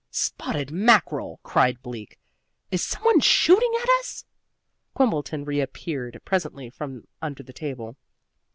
"Spotted mackerel!" cried Bleak. "Is some one shooting at us?" Quimbleton reappeared presently from under the table.